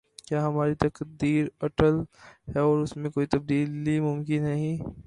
کیا ہماری تقدیر اٹل ہے اور اس میں کوئی تبدیلی ممکن نہیں؟